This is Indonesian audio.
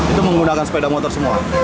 itu menggunakan sepeda motor semua